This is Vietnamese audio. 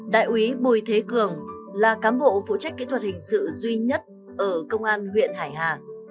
đại quý bùi thế cường là cán bộ phụ trách kỹ thuật hình sự duy nhất ở công an huyện hải hà